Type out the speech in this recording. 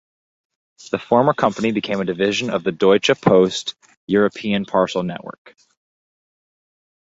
The former company became a division of the Deutsche Post European parcel network.